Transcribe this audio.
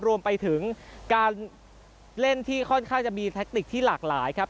รวมไปถึงการเล่นที่ค่อนข้างจะมีแทคติกที่หลากหลายครับ